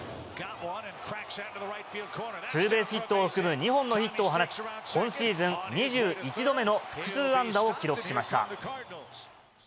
ツーベースヒットを含む２本のヒットを放ち、今シーズン２１度目の複数安打を記録しました。